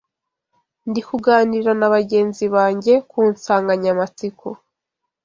Ndi kuganira na bagenzi bange ku nsangannyamatsiko